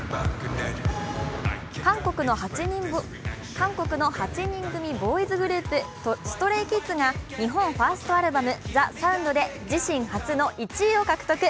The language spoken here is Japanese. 韓国の８人組ボーイズグループＳｔｒａｙＫｉｄｓが日本ファーストアルバム「ＴＨＥＳＯＵＮＤ」で自身初の１位を獲得。